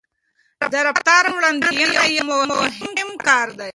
د رفتار وړاندوينه یو مهم کار دی.